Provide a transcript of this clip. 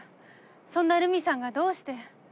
そんなルミさんがどうして？